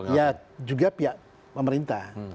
ya juga pihak pemerintah